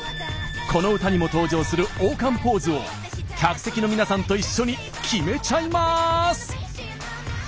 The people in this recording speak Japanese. この歌にも登場する王冠ポーズを客席の皆さんと一緒に決めちゃいまーす！